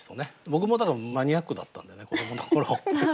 僕もマニアックだったんでね子どもの頃。